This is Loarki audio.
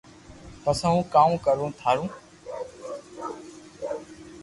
پسي ھون ڪاوُ ڪرو ٿارو